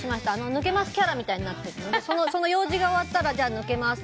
抜けますキャラみたいになってるのでその用事が終わったらじゃあ抜けます